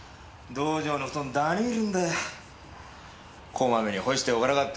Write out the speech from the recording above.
こまめに干しておかなかったんだな。